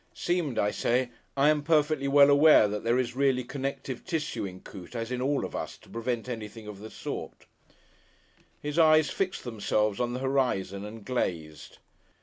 (Seemed I say I am perfectly well aware that there is really connective tissue in Coote as in all of us to prevent anything of the sort.) His eyes fixed themselves on the horizon and glazed.